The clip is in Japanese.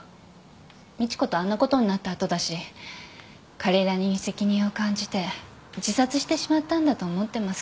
美知子とあんなことになった後だし彼なりに責任を感じて自殺してしまったんだと思ってますけど。